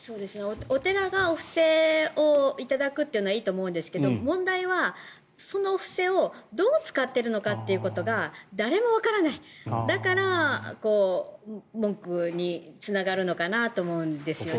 お寺がお布施を頂くのはいいと思うんですけど問題はそのお布施をどう使っているのかっていうことが誰もわからない、だから文句につながるのかなと思うんですね。